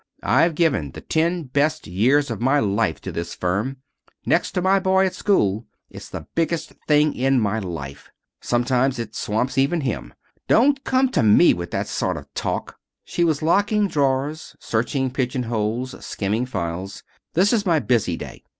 I've given the ten best years of my life to this firm. Next to my boy at school it's the biggest thing in my life. Sometimes it swamps even him. Don't come to me with that sort of talk." She was locking drawers, searching pigeon holes, skimming files. "This is my busy day."